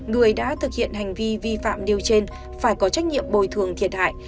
người đã thực hiện hành vi vi phạm nêu trên phải có trách nhiệm bồi thường thiệt hại